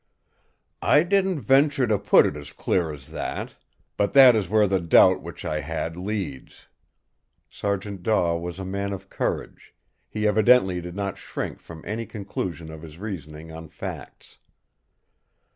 "I didn't venture to put it as clear as that; but that is where the doubt which I had leads." Sergeant Daw was a man of courage; he evidently did not shrink from any conclusion of his reasoning on facts.